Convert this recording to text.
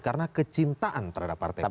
karena kecintaan terhadap partai politik